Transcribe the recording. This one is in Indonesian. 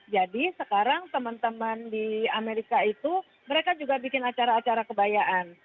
jadi sekarang teman teman di amerika itu mereka juga bikin acara acara kebayaan